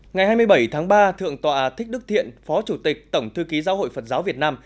ngày hai mươi bảy tháng ba thượng tọa thích đức thiện phó chủ tịch tổng thư ký giáo hội phật giáo việt nam